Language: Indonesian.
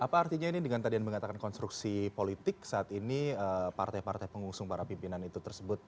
apa artinya ini dengan tadi yang mengatakan konstruksi politik saat ini partai partai pengusung para pimpinan itu tersebut